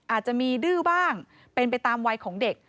อาจจะมีดื้อบ้างเป็นไปตามวัยของเด็ก